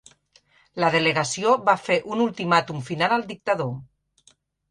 La delegació va fer un ultimàtum final al dictador.